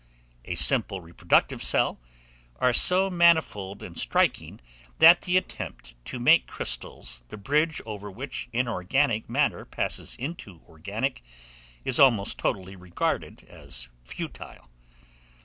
a simple reproductive cell, are so manifold and striking, that the attempt to make crystals the bridge over which inorganic matter passes into organic, is almost totally regarded as futile.